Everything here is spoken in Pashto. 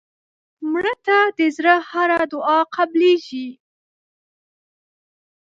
مړه ته د زړه هره دعا قبلیږي